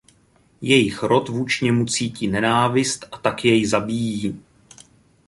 Jejich rod vůči němu cítí nenávist a tak jej zabíjí.